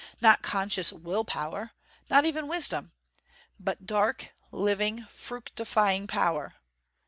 Not conscious will power. Not even wisdom. But dark, living, fructifying power.